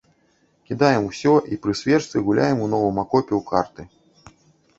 Кідаем усё і пры свечцы гуляем у новым акопе ў карты.